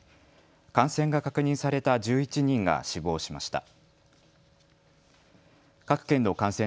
感染が確認された１１人が死亡しました。